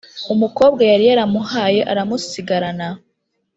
umukobwa yari yaramuhaye aramusigarana.